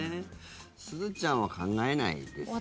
すずちゃんは考えないですよね。